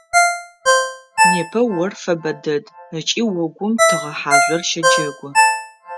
Непэ ор фэбэ дэд ыкӀи огум тыгъэ хьажъор щэджэгу.